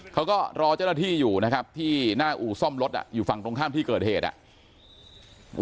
เขาก็รอเจ้าหน้าที่อยู่นะครับที่หน้าอู่ซ่อมรถอยู่ฝั่งตรงข้ามที่เกิดเหตุอ่ะ